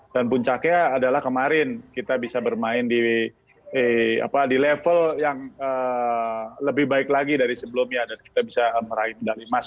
dan puncaknya adalah kemarin kita bisa bermain di level yang lebih baik lagi dari sebelumnya dan kita bisa meraih dari mas